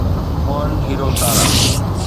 مهن هيرو تارا